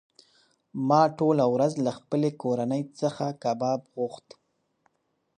ما ټوله ورځ له خپلې کورنۍ څخه کباب غوښت.